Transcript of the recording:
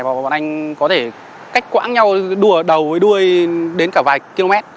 và bọn anh có thể cách quãng nhau đùa đầu với đuôi đến cả vài km